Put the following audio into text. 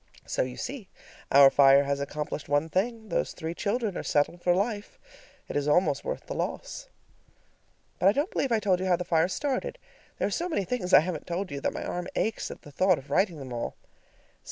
So, you see, our fire has accomplished one thing: those three children are settled for life. It is almost worth the loss. But I don't believe I told you how the fire started. There are so many things I haven't told you that my arm aches at the thought of writing them all.